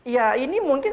ya ini mungkin